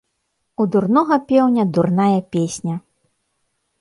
у дурнога пеўня дурная песня